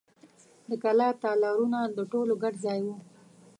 د کلا تالارونه د ټولو ګډ ځای و.